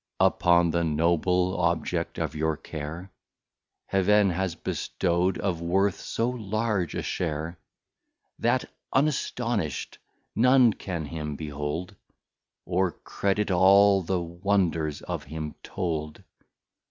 Upon the Noble Object of your Care Heaven has bestow'd, of Worth, so large a share, That unastonisht none can him behold, Or credit all the Wonders of him told!